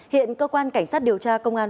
hiện cơ quan cảnh sát điều tra công an